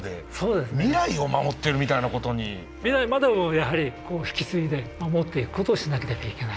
未来までもやはり引き継いで守っていくことをしなければいけない。